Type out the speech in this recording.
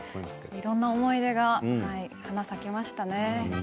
いろんな思い出が花咲きましたね。